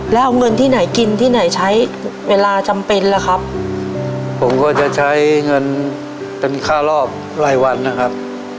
แล้วเอาเงินที่ไหนกินที่ไหนใช้เวลาจำเป็นล่ะครับผมก็จะใช้เงินเป็นค่ารอบรายวันนะครับ